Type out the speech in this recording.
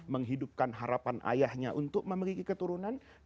menghidupkan harapan ayahnya untuk memiliki keturunan